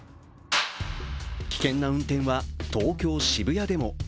危険な運転は東京・渋谷でも。